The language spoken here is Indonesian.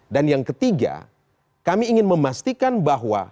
dan yang ketiga kami ingin memastikan bahwa